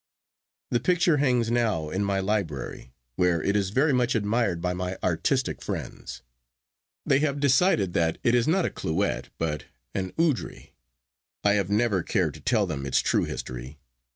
The picture hangs now in my library, where it is very much admired by my artistic friends. They have decided that it is not a Clouet, but an Oudry. I have never cared to tell them its true history.